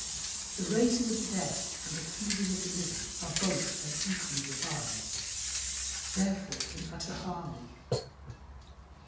The raising of the dead and the feeding of the living are both and equally divine therefore in utter harmony.